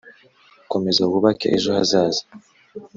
komeza wubake ejo hazaza,